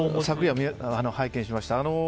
昨夜、拝見しました。